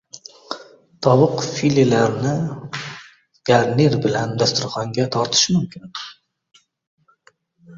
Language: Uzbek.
Tovuq filelarini garnir bilan dasturxonga tortish mumkin